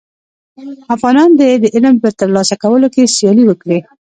افغانان دي د علم په تر لاسه کولو کي سیالي وکړي.